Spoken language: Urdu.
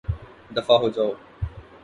دفعہ ہو جائو